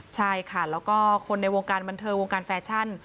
ใช่ค่ะแล้วก็คนในวงการบันเทิงวงการแฟชั่น